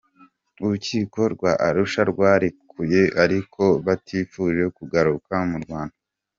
Urukiko rwa Arusha rwarekuye ariko batifuje kugaruka mu Rwanda.